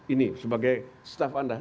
ini sebagai staff anda